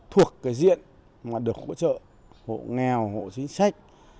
thuộc cái diện mà được hỗ trợ hộ nghèo hộ chính sách